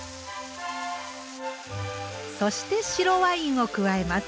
そして白ワインを加えます。